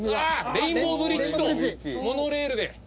レインボーブリッジとモノレールで。